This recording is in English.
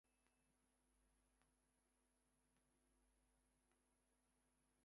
He also served as treasurer of the new Academia.